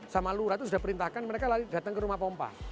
sama lura itu sudah perintahkan mereka lari datang ke rumah pompa